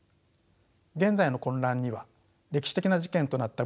現在の混乱には歴史的な事件となった